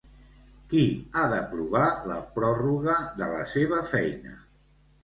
Qui ha d'aprovar la pròrroga de la seva feina?